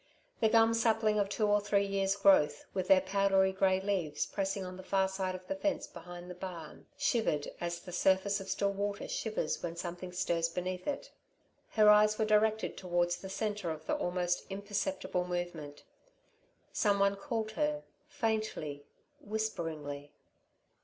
The gum saplings of two or three years' growth, with their powdery grey leaves pressing on the far side of the fence behind the barn, shivered as the surface of still water shivers when something stirs beneath it. Her eyes were directed towards the centre of the almost imperceptible movement. Someone called her, faintly, whisperingly.